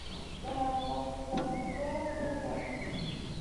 د هغې غږ زما تر کوره پورې راځي